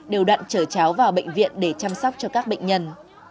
đều đặn chở cháu vào bệnh viện để chăm sóc cho các bệnh nhân